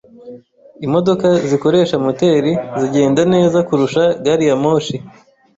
Imodoka zikoresha moteri zigenda neza kurusha gari ya moshi.